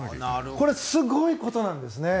これ、すごいことなんですね。